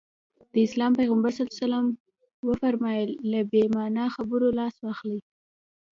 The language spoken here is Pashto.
د اسلام پيغمبر ص وفرمايل له بې معنا خبرو لاس واخلي.